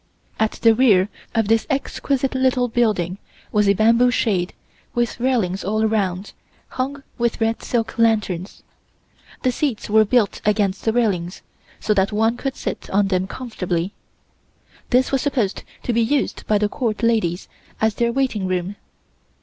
At the rear of this exquisite little building was a bamboo shade, with railings all around, hung with red silk lanterns. The seats were built against the railings, so that one could sit on them comfortably. This was supposed to be used by the Court ladies as their waiting room.